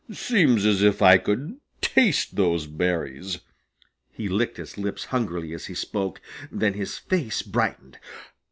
Seems as if I could taste those berries." He licked his lips hungrily as he spoke. Then his face brightened.